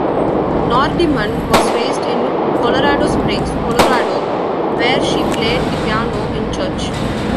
Nordeman was raised in Colorado Springs, Colorado, where she played the piano in church.